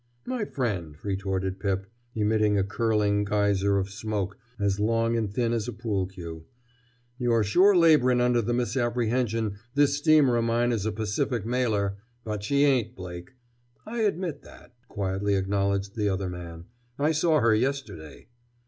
"My friend," retorted Pip, emitting a curling geyser of smoke as long and thin as a pool que, "you're sure laborin' under the misapprehension this steamer o' mine is a Pacific mailer! But she ain't, Blake!" "I admit that," quietly acknowledged the other man. "I saw her yesterday!"